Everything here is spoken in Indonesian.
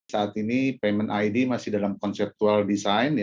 saat ini payment id masih dalam konseptual design